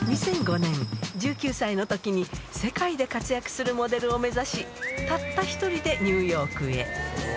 ２００５年、１９歳のときに、世界で活躍するモデルを目指し、たった一人でニューヨークへ。